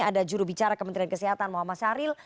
ada jurubicara kementerian kesehatan muhammad syahril